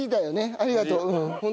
ありがとううん。